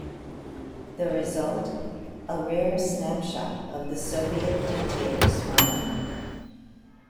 The result: a rare snapshot of the Soviet dictator smiling.